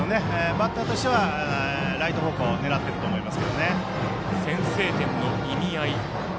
バッターとしてはライト方向を狙っていると先制点の意味合い。